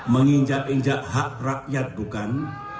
menginjak injak hak rakyat bukan